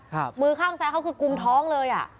มือข้างซ้ายเขาคือกุมท้องเลยอ่ะ